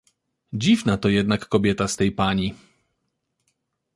"Dziwna to jednak kobieta z tej pani!..."